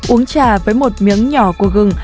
uống trà với một miếng nhỏ của gừng